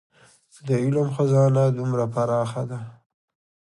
د علم خزانه دومره پراخه ده.